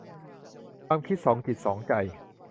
ความคิดสองจิตสองใจ